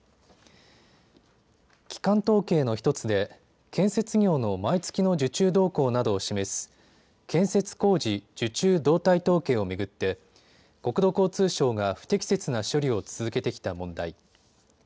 基幹統計の１つで建設業の毎月の受注動向などを示す建設工事受注動態統計を巡って国土交通省が不適切な処理を続けてきた問題。